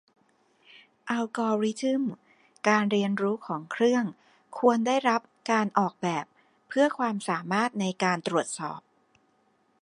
อัลกอริทึมการเรียนรู้ของเครื่องควรได้รับการออกแบบเพื่อความสามารถในการตรวจสอบ